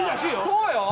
そうよ！